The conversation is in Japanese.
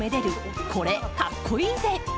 「これ、かっこイイぜ！」。